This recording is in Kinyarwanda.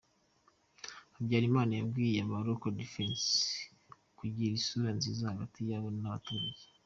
Habyarimana yabwiye aba-Local Defense kugira isura nziza hagati yabo n’abaturage.